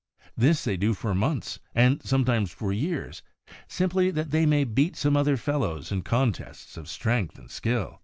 This they do for months, and sometimes for years, simply that they may beat some other fellows in contests of strength and skill.